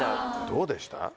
どうでした？